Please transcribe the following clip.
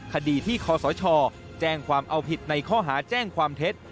คดีที่คอสชแจ้งความเอาผิดในข้อหาแจ้งความเท็จ